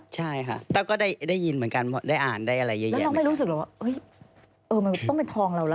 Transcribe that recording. ใช่ค่ะแต่ก็ได้ยินเหมือนกันได้อ่านได้อะไรเยอะแยะนะคะ